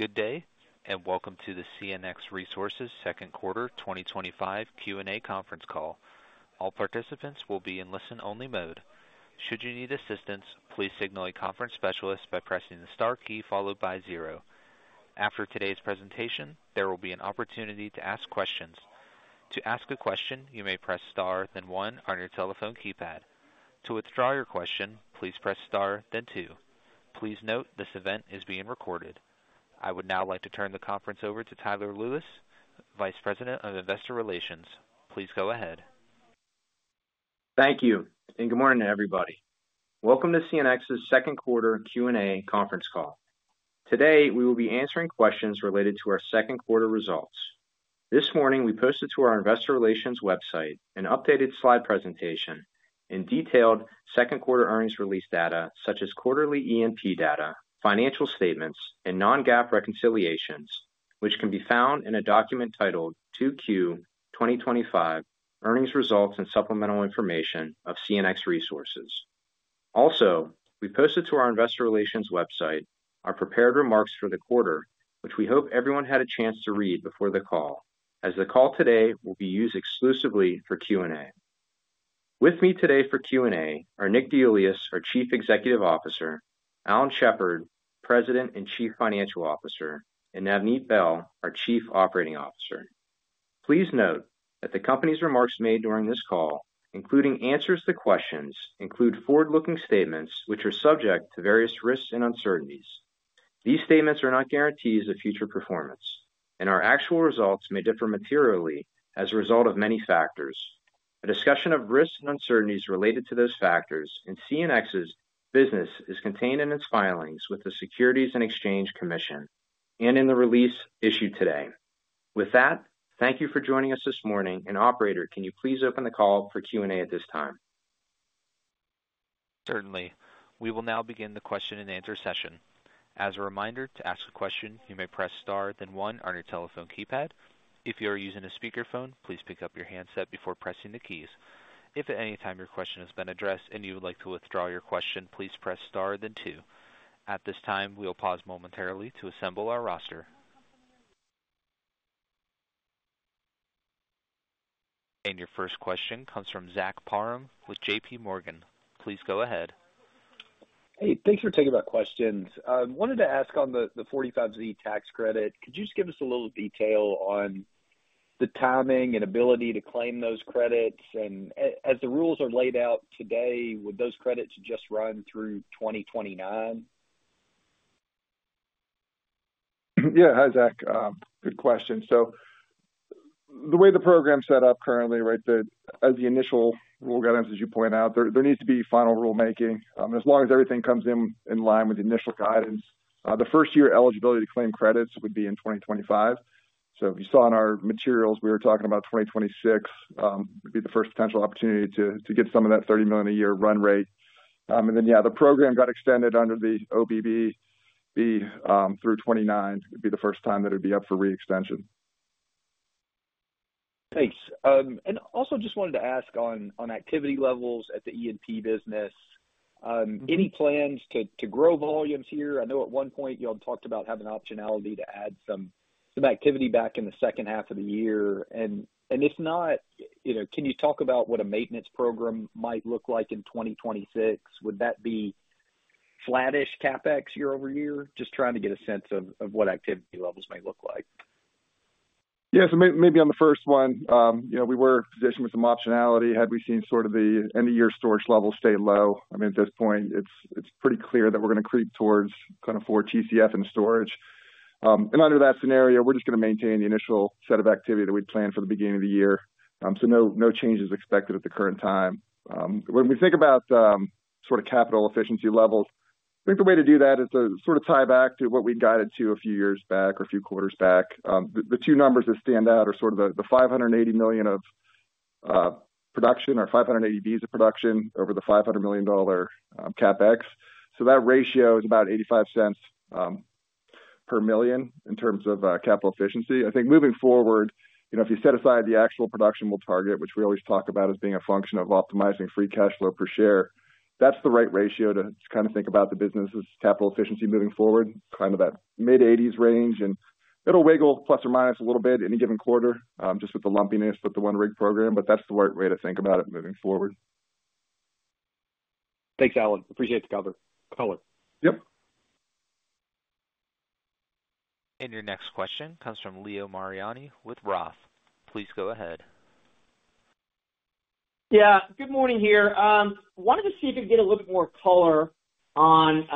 Good day, and welcome to the CNX Resources Second Quarter twenty twenty five Q and A Conference Call. All participants will be in listen only mode. After today's presentation, there will be an opportunity to ask questions. Please note this event is being recorded. I would now like to turn the conference over to Tyler Lewis, Vice President of Investor Relations. Please go ahead. Thank you, and good morning to everybody. Welcome to CNX's second quarter Q and A conference call. Today, we will be answering questions related to our second quarter results. This morning, we posted to our Investor Relations website an updated slide presentation and detailed second quarter earnings release data such as quarterly E and P data, financial statements and non GAAP reconciliations, which can be found in a document titled 2Q twenty twenty five Earnings Results and Supplemental Information of CNX Resources. Also, we posted to our Investor Relations website our prepared remarks for the quarter, which we hope everyone had a chance to read before the call, as the call today will be used exclusively for Q and A. With me today for Q and A are Nick Deulius, our Chief Executive Officer Alan Shepard, President and Chief Financial Officer and Navneet Bell, our Chief Operating Officer. Please note that the company's remarks made during this call, including answers to questions, include forward looking statements, which are subject to various risks and uncertainties. These statements are not guarantees of future performance, and our actual results may differ materially as a result of many factors. A discussion of risks and uncertainties related to those factors in CNX's business is contained in its filings with the Securities and Exchange Commission and in the release issued today. With that, thank you for joining us this morning. And operator, can you please open the call for Q and A at this time? Certainly. We will now begin the question and answer session. And your first question comes from Zach Parham with JPMorgan. Please go ahead. Hey, thanks for taking my questions. I wanted to ask on the 45Z tax credit. Could you just give us a little detail on the timing and ability to claim those credits? And as the rules are laid out today, would those credits just run through 2029? Yes. Hi, Zach. Good question. So the way the program is set up currently, right, as the initial guidance, as you point out, there needs to be final rulemaking. As long as everything comes in line with the initial guidance, the first year eligibility to claim credits would be in 2025. So if you saw in our materials, were talking about 2026, would be the first potential opportunity to get some of that $30,000,000 a year run rate. And then, yes, the program got extended under the OBB through 'twenty nine. It would be the first time that it would be up for re extension. Thanks. And also just wanted to ask on activity levels at the E and P business. Any plans to grow volumes here? I know at one point, you all talked about having optionality to add some activity back in the second half of the year. And if not, can you talk about what a maintenance program might look like in 2026? Would that be flattish CapEx year over year? Just trying to get a sense of what activity levels may look like. Yes. So maybe on the first one, we were positioned with some optionality. Had we seen sort of the end of year storage level stay low? I mean, this point, it's pretty clear that we're going to creep towards kind of four TCF and storage. And under that scenario, we're just going to maintain the initial set of activity that we planned for the beginning of the year. So no changes expected at the current time. When we think about, sort of capital efficiency levels, I think the way to do that is to sort of tie back to what we guided to a few years back or a few quarters back. The two numbers that stand out are sort of the $580,000,000 of production or five eighty Bs of production over the $500,000,000 CapEx. So that ratio is about $0.85 per million in terms of capital efficiency. I think moving forward, if you set aside the actual production we'll target, which we always talk about as being a function of optimizing free cash flow per share, that's the right ratio to kind of think about the business as capital efficiency moving forward, kind of that mid-80s range and it will wiggle plus or minus a little bit in any given quarter, just with the lumpiness with the one rig program, but that's the right way to think about it moving forward. Thanks, Alan. Appreciate the color. Yes. And your next question comes from Leo Mariani with ROTH. Please go ahead. Yes. Good morning here. Wanted to see if you could get a little bit more color on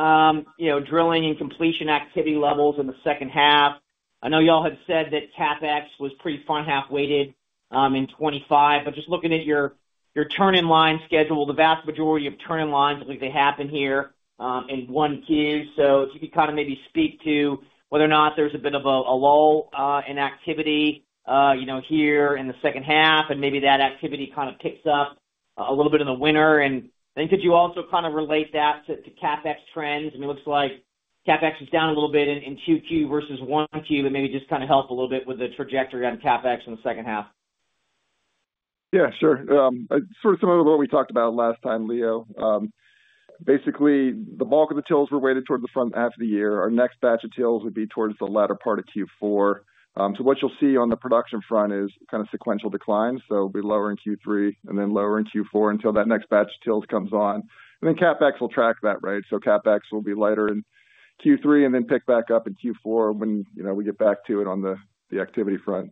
drilling and completion activity levels in the second half. I know you all had said that CapEx was pretty front half weighted in 2025. But just looking at your turn in line schedule, the vast majority of turn in lines, I believe they happen here in 1Q. So if you could kind of maybe speak to whether or not there's a bit of a lull in activity here in the second half and maybe that activity kind of picks up a little bit in the winter? And then could you also kind of relate that to CapEx trends? I mean it looks like CapEx is down a little bit in 2Q versus 1Q and maybe just kind of help a little bit with the trajectory on CapEx in the second half. Yes, sure. Sort of similar to what we talked about last time, Leo. Basically, the bulk of the TILs were weighted towards the front half of the year. Our next batch of TILs would be towards the latter part of Q4. So what you'll see on the production front is kind of sequential decline. So it will be lower in Q3 and then lower in Q4 until that next batch of TILs comes on. And then CapEx will track that, right? So CapEx will be lighter in Q3 and then pick back up in Q4 when we get back to it on the activity front.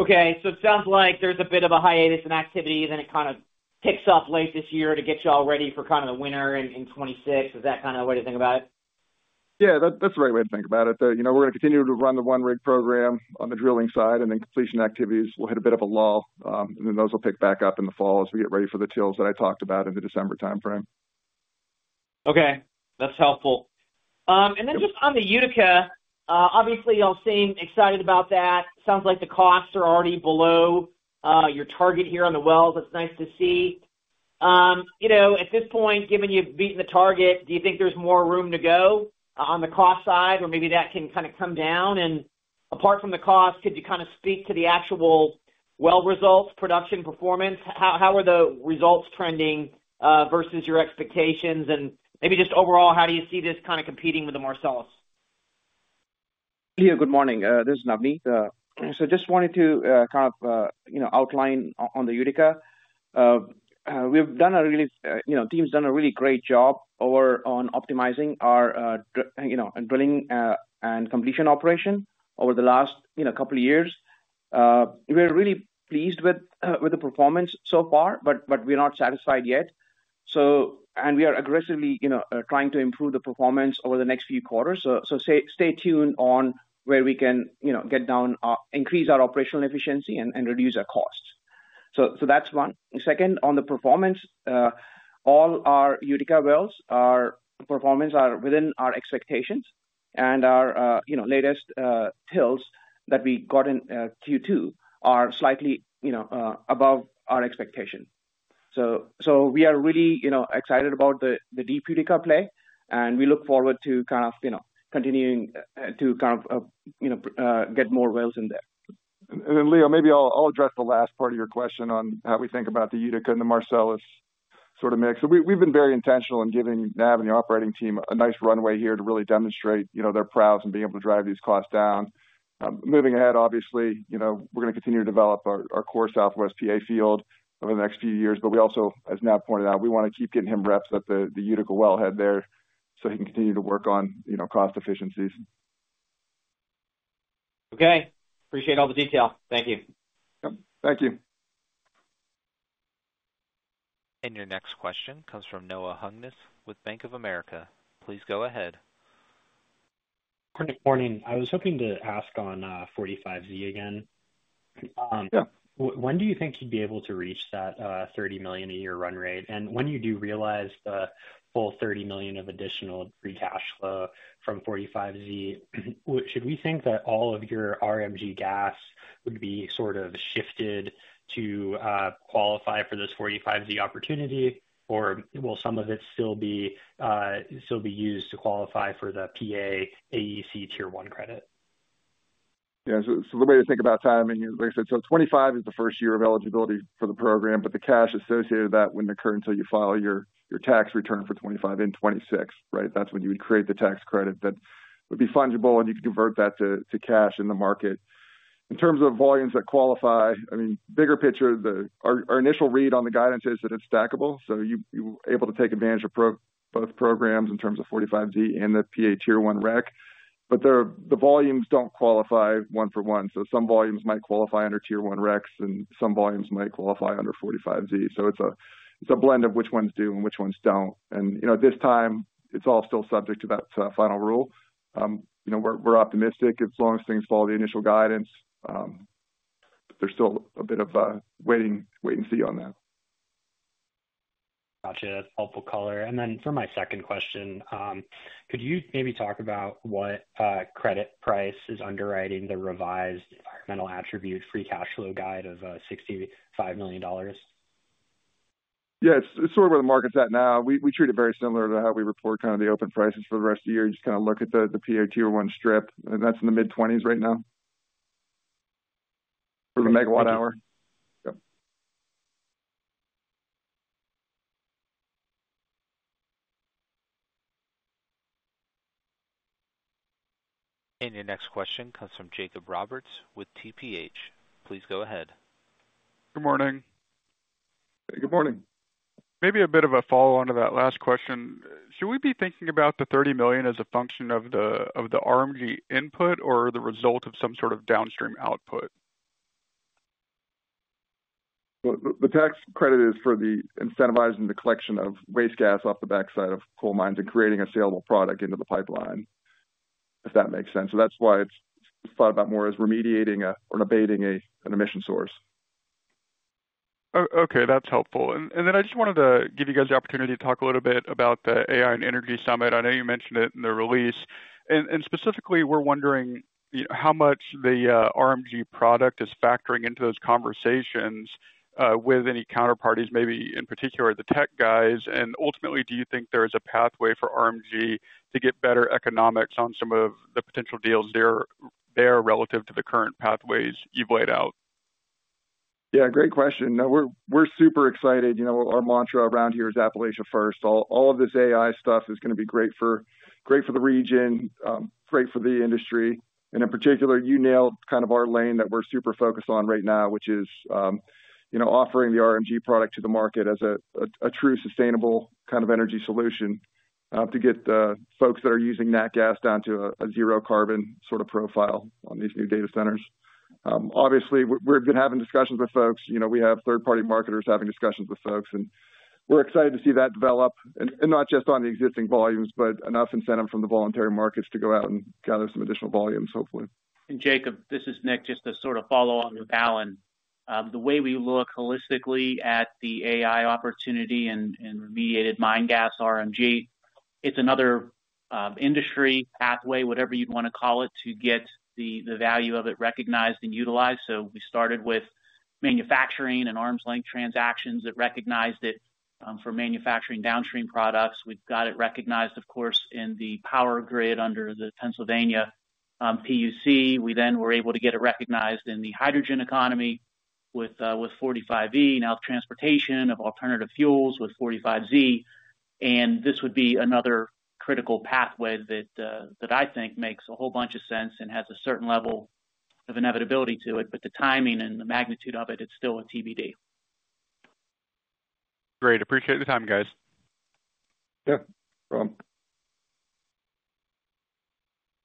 Okay. So it sounds like there's a bit of a hiatus in activity, then it kind of picks up late this year to get you all ready for kind of the winter in 2026. Is that kind of the way to think about it? Yes, that's the right way to think about it. We're going continue to run the one rig program on the drilling side and then completion activities will hit a bit of a lull. And then those will pick back up in the fall as we get ready for the TILs that I talked about in the December timeframe. That's helpful. Then just on the Utica, obviously, you all seem excited about that. It sounds like the costs are already below your target here on the wells. That's nice to see. At this point, given you've beaten the target, do you think there's more room to go on the cost side or maybe that can kind of come down? And apart from the cost, could you kind of speak to the actual well results, production performance? How are the results trending versus your expectations? And maybe just overall, how do you see this kind of competing with the Marcellus? This is Navne. So just wanted to kind of outline on the Utica. We've done a really team has done a really great job over on optimizing our drilling and completion operation over the last couple of years. We're really pleased with the performance so far, but we're not satisfied yet. So and we are aggressively trying to improve the performance over the next few quarters. So stay tuned on where we can get down increase our operational efficiency and reduce our costs. So that's one. Second, on the performance, all our Utica wells, our performance are within our expectations and our latest TILs that we got in Q2 are slightly above our expectation. So we are really excited about the deep Utica play and we look forward to kind of continuing to kind of get more wells in there. Then Leo, maybe I'll address the last part of your question on how we think about the Utica and the Marcellus sort of mix. So we've been very intentional in giving Nav and the operating team a nice runway here to really demonstrate their prowess in being able to drive these costs down. Moving ahead, obviously, we're going continue to develop our core Southwest PA field over the next few years. But we also, as Nat pointed out, we want to keep getting him reps at the Utica wellhead there, so he can continue to work on cost efficiencies. Okay. Appreciate all the detail. Thank you. Thank you. And your next question comes from Noah Hungness with Bank of America. Please go ahead. Good morning. I was hoping to ask on 45Z again. When do you think you'd be able to reach that $30,000,000 a year run rate? And when you do realize the full $30,000,000 of additional free cash flow from 45Z, Should we think that all of your RMG gas would be sort of shifted to qualify for this 45Z opportunity? Or will some of it still be used to qualify for the PA AEC Tier one credit? Yes. So the way to think about timing is, like I said, so '25 is the first year of eligibility for the program, but the cash associated with that wouldn't occur until you file your tax return for '25 and '26, right? That's when you would create the tax credit that would be fungible and you can convert that to cash in the market. In terms of volumes that qualify, I mean, picture, initial read on the guidance is that it's stackable. So you're able to take advantage of both programs in terms of 45Z and the PA Tier one rec. But the volumes don't qualify one for one. So some volumes might qualify under Tier one recs and some volumes might qualify under 45Z. So it's a blend of which ones do and which ones don't. And at this time, it's all still subject to that final rule. We're optimistic as long as things follow the initial guidance. There's still a bit of a waiting, wait and see on that. Got you. That's helpful color. And then for my second question, could you maybe talk about what credit price is underwriting the revised environmental attribute free cash flow guide of $65,000,000 Yes. It's sort of where the market is at now. We treat it very similar to how we report kind of the open prices for the rest of the year. You just kind of look at the PA Tier one strip and that's in the mid-20s right now from a megawatt hour. And your next question comes from Jacob Roberts with TPH. Please go ahead. Good morning. Good morning. Maybe a bit of a follow on to that last question. Should we be thinking about the $30,000,000 as a function of the RMG input or the result of some sort of downstream output? The tax credit is for the incentivizing the collection of waste gas off the backside of coal mines and creating a saleable product into the pipeline, if that makes sense. So that's why it's thought about more as remediating or abating an emission source. Okay. That's helpful. And then I just wanted to give you guys the opportunity to talk a little bit about the AI and Energy Summit. I know you mentioned it in the release. And specifically, we're wondering how much the RMG product is factoring into those conversations with any counterparties, maybe in particular, the tech guys? And ultimately, do you think there is a pathway for RMG to get better economics on some of the potential deals there relative to the current pathways you've laid out? Yes, great question. We're super excited. Our mantra around here is Appalachia first. All of this AI stuff is going to be great for the region, great for the industry. And in particular, you nailed kind of our lane that we're super focused on right now, which is offering the RMG product to the market as a true sustainable kind of energy solution to get folks that are using nat gas down to a zero carbon sort of profile on these new data centers. Obviously, we've been having discussions with folks. We have third party marketers having discussions with folks, and we're excited to see that develop and not just on the existing volumes, but enough incentive from the voluntary markets to go out and gather some additional volumes hopefully. And Jacob, this is Nick. Just to sort of follow on to Ballon. The way we look holistically at the AI opportunity and mediated mine gas RMG, it's another industry pathway, whatever you'd want to call it, to get the value of it recognized and utilized. So we started with manufacturing and arm's length transactions that recognized it for manufacturing downstream products. We've got it recognized, of course, in the power grid under the Pennsylvania PUC. We then were able to get it recognized in the hydrogen economy with 45E, now transportation of alternative fuels with 45Z. And this would be another critical pathway that I think makes a whole bunch of sense and has a certain level of inevitability to it, but the timing and the magnitude of it, it's still a TBD. Great. Appreciate the time guys.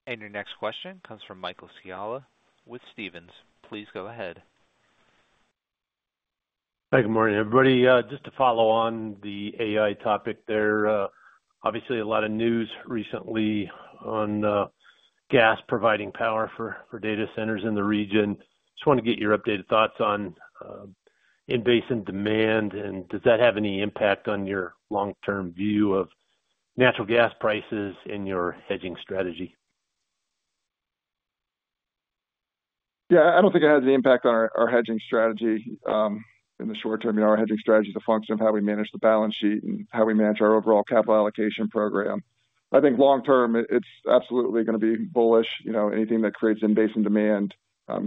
And your next question comes from Michael Scialla with Stephens. Please go ahead. Hi, good morning everybody. Just to follow on the AI topic there. Obviously, lot of news recently on gas providing power for data centers in the region. Just want to get your updated thoughts on in basin demand and does that have any impact on your long term view of natural gas prices in your hedging strategy? Yes. I don't think it has the impact on our hedging strategy, in the short term. Our hedging strategy is a function of how we manage the balance sheet and how we manage our overall capital allocation program. I think long term, it's absolutely going to be bullish, anything that creates in basin demand,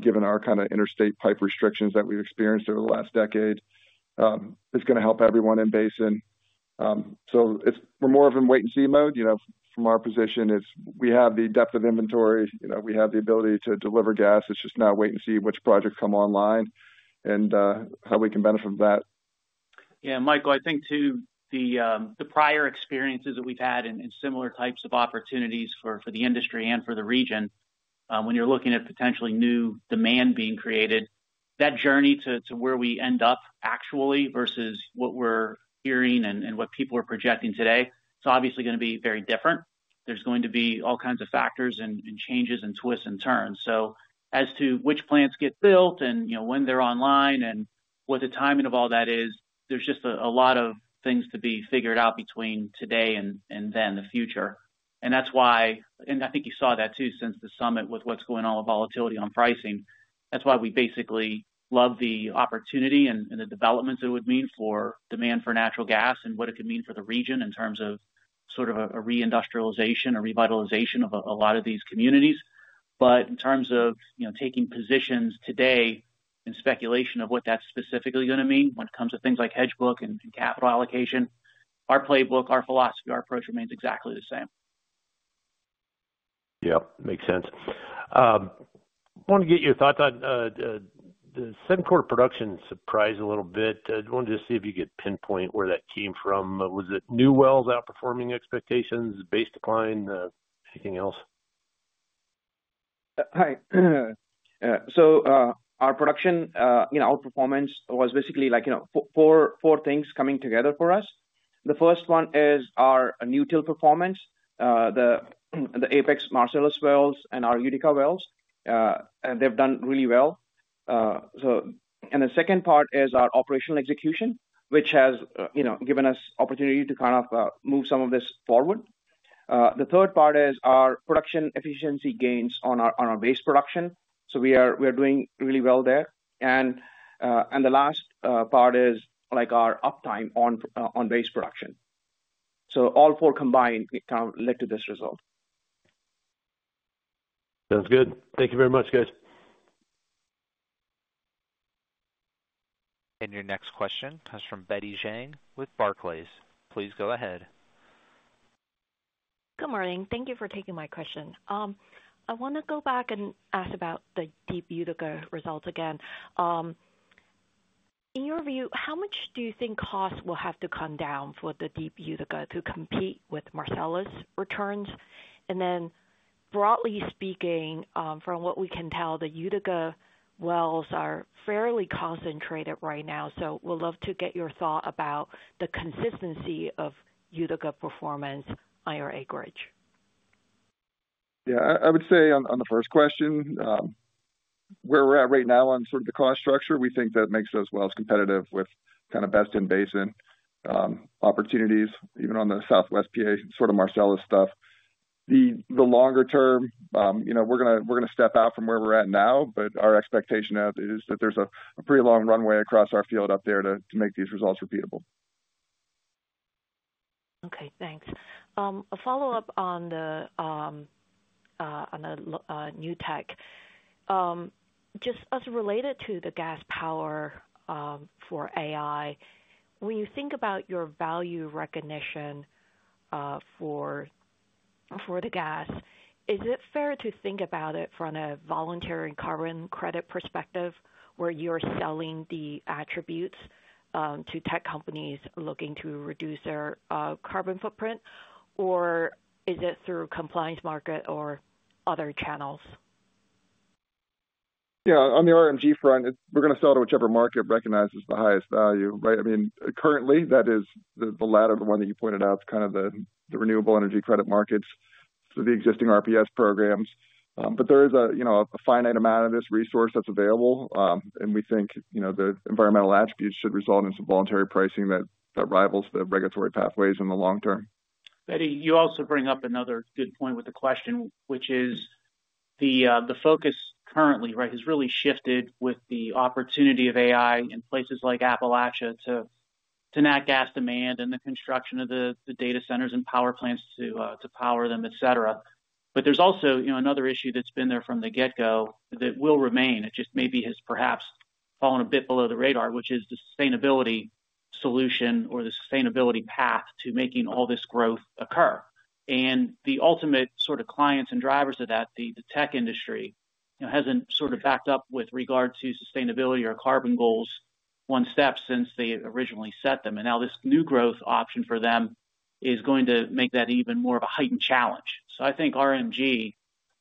given our kind of interstate pipe restrictions that we've experienced over the last decade, is going to help everyone in basin. So it's more of in wait and see mode, From our position, it's we have the depth of inventory. We have the ability to deliver gas. It's just now wait and see which projects come online and how we can benefit from that. Yes. Michael, I think to prior experiences that we've had in similar types of opportunities for the industry and for the region, when you're looking at potentially new demand being created, that journey to where we end up actually versus what we're hearing and what people are projecting today, obviously it's going to be very different. There's going to be all kinds of factors and changes and twists and turns. So as to which plants get built and when they're online and what the timing of all that is, there's just a lot of things to be figured out between today and then the future. And that's why and I think you saw that too since the summit with what's going on with volatility on pricing. That's why we basically love the opportunity and the developments it would mean for demand for natural gas and what it could mean for the region in terms of sort of a re industrialization or revitalization of a lot of these communities. But in terms of taking positions today and speculation of what that's specifically going to mean when comes to things like hedge book and capital allocation, our playbook, our philosophy, our approach remains exactly the same. Yes, makes sense. Want to get your thoughts on second quarter production surprised a little bit. I wanted to see if you could pinpoint where that came from. Was it new wells outperforming expectations, base decline, anything else? Hi. So our production outperformance was basically like four things coming together for us. The first one is our new Till performance, the Apex Marcellus wells and our Utica wells, and they've done really well. And the second part is our operational execution, which has given us opportunity to kind of move some of this forward. The third part is our production efficiency gains on our base production. So we are doing really well there. And the last part is like our uptime on base production. So all four combined kind of led to this result. Sounds good. Thank you very much guys. And your next question comes from Betty Jiang with Barclays. Please go ahead. Good morning. Thank you for taking my question. I want to go back and ask about the Deep Utica results again. In your view, how much do you think costs will have to come down for the Deep Utica to compete with Marcellus returns? And then broadly speaking, from what we can tell, the Utica wells are fairly concentrated right now. So we'd love to get your thought about the consistency of Utica performance on your acreage. Yes. I would say on the first question, where we're at right now on sort of the cost structure, we think that makes us well as competitive with kind of best in basin opportunities even on the Southwest PA sort of Marcellus stuff. The longer term, we're going to step out from where we're at now, but our expectation is that there's a pretty long runway across our field up there to make these results repeatable. Okay. Thanks. A follow-up on Newtek. Just as related to the gas power for AI, when you think about your value recognition for the gas, is it fair to think about it from a voluntary carbon credit perspective where you're selling the attributes to tech companies looking to reduce their carbon footprint? Or is it through compliance market or other channels? Yes. On the RMG front, we're going sell to whichever market recognizes the highest value, right? I mean, currently that is the latter, the one that you pointed out, kind of the renewable energy credit markets through the existing RPS programs. But there is a finite amount of this resource that's available. And we think the environmental attributes should result in some voluntary pricing that rivals the regulatory pathways in the long term. Betty, you also bring up another good point with the question, which is the focus currently, right, has really shifted with the opportunity of AI in places like Appalachia to nat gas demand and the construction of the data centers and power plants to power them, etcetera. But there's also another issue that's been there from the get go that will remain. It just maybe has perhaps fallen a bit below the radar, which is the sustainability solution or the sustainability path to making all this growth occur. And the ultimate sort of clients and drivers of that, the tech industry, hasn't sort of backed up with regard to sustainability or carbon goals one step since they originally set them. And now this new growth option for them is going to make that even more of a heightened challenge. So I think RMG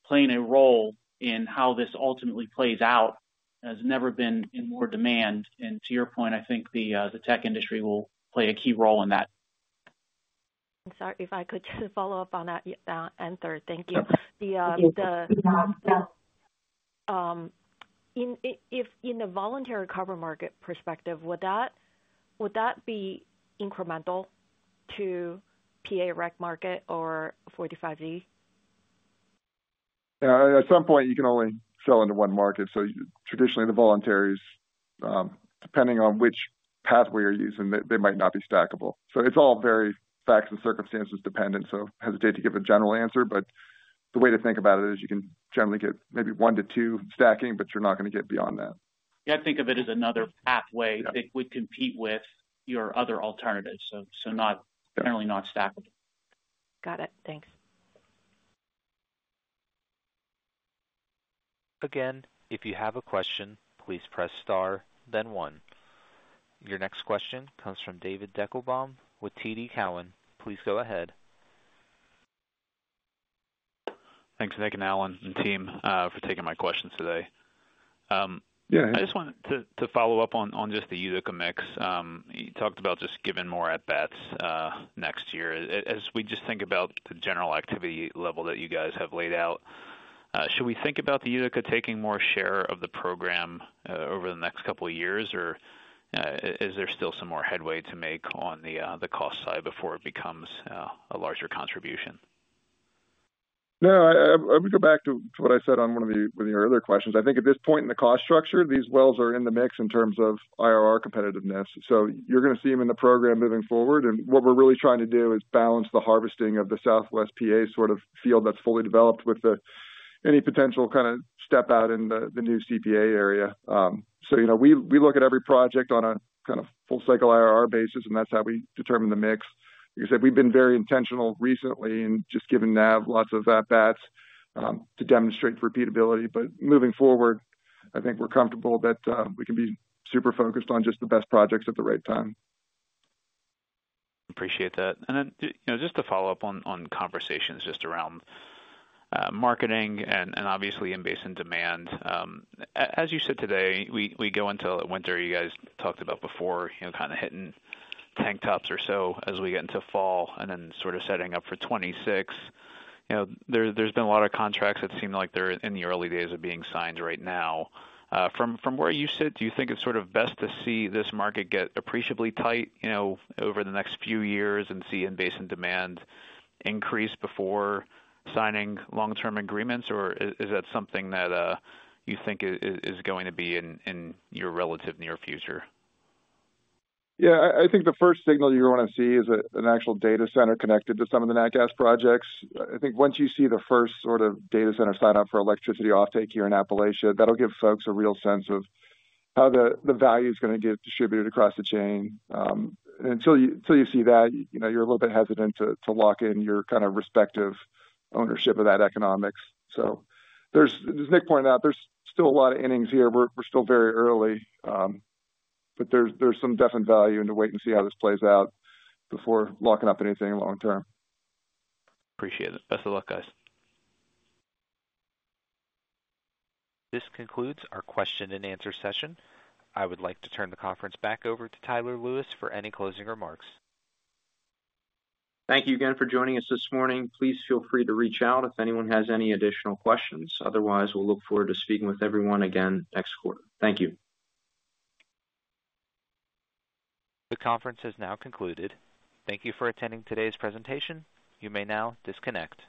playing a role in how this ultimately plays out has never been in more demand. And to your point, I think the tech industry will play a key role in that. I'm sorry, if I could just follow-up on Thank you. If in the voluntary carbon market perspective, would that be incremental to PA rec market or 45D? At some point, you can only sell into one market. So traditionally, the voluntary is, depending on which pathway you're using, they might not be stackable. So it's all very facts and circumstances dependent. So hesitate to give a general answer. But the way to think about it is you can generally get maybe one to two stacking, but you're not going to get beyond that. Yes. Think of it as another pathway that would compete with your other alternatives. Not generally not stackable. It. Thanks. Your next question comes from David Deckelbaum with TD Cowen. Please go ahead. Thanks Nick and Alan and team for taking my questions today. I just wanted to follow-up on just the Utica mix. You talked about just giving more at bats next year. As we just think about the general activity level that you guys have laid out, should we think about the Utica taking more share of the program over the next couple of years? Or is there still some more headway to make on the cost side before it becomes a larger contribution? No, would go back to what I said on one of your earlier questions. I think at this point in the cost structure, these wells are in the mix in terms of IRR competitiveness. So you're going to see them in the program moving forward. And what we're really trying to do is balance the harvesting of the Southwest PA sort of field that's fully developed with any potential kind of step out in the new CPA area. We look at every project on a kind of full cycle IRR basis and that's how we determine the mix. Because we've been very intentional recently and just given NAV lots of at bats, to demonstrate repeatability. But moving forward, I think we're comfortable that we can be super focused on just the best projects at the right time. Appreciate that. And then just a follow-up on conversations just around marketing and obviously in basin demand. As you sit today, go into winter, you guys talked about before kind of hitting tank tops or so as we get into fall and then sort of setting up for 2026. There's been a lot of contracts that seem like they're in the early days of being signed right now. From where you sit, do you think it's sort of best to see this market get appreciably tight over the next few years and see in basin demand increase before signing long term agreements? Or is that something that you think is going to be in your relative near future? Yes. I think the first signal you want to see is an actual data center connected to some of the nat gas projects. I think once you see the first sort of data center sign up for electricity off take here in Appalachia, that will give folks a real sense of how the value is going to get distributed across the chain. Until you see that, you're a little bit hesitant to lock in your kind of respective ownership of that economics. So there's as Nick pointed out, there's still a lot of innings here. We're still very early, but there's some definite value in the wait and see how this plays out before locking up anything long term. Appreciate it. Best of luck, guys. This concludes our question and answer session. I would like to turn the conference back over to Tyler Lewis for any closing remarks. Thank you again for joining us this morning. Please feel free to reach out if anyone has any additional questions. Otherwise, we'll look forward to speaking with everyone again next quarter. Thank you. The conference has now concluded. Thank you for attending today's presentation. You may now disconnect.